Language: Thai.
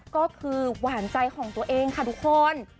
ก็คือหวานใจของตัวเองค่ะทุกคน